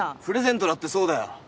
プレゼントだってそうだよ。